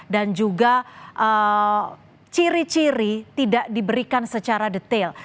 dan juga ciri ciri tidak diberikan secara detail